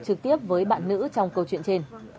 trực tiếp với bạn nữ trong câu chuyện trên